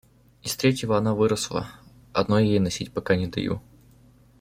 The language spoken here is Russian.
Из третьего она выросла, одно я ей носить пока не даю.